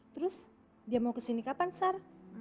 terus dia mau kesini kapan sar